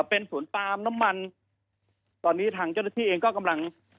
เป็นสวนปาล์มน้ำมันตอนนี้ทางเจ้าหน้าที่เองก็กำลัง